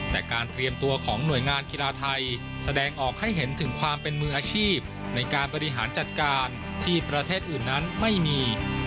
แต่การเตรียมตัวของหน่วยงานกีฬาไทยแสดงออกให้เห็นถึงความเป็นมืออาชีพในการบริหารจัดการที่ประเทศอื่นนั้นไม่มี